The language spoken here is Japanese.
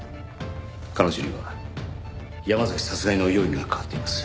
彼女には山崎殺害の容疑がかかっています。